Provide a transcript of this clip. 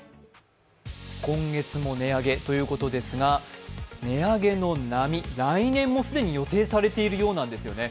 今月も値上げということですが、値上げの波、来年も既に予定されているようなんですね。